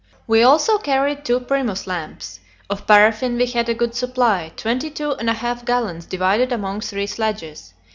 We also carried two Primus lamps. Of paraffin we had a good supply: twenty two and a half gallons divided among three sledges.